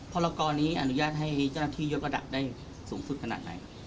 พรกรนี้อนุญาตให้เจ้าหน้าที่ยกระดับได้สูงสุดขนาดไหน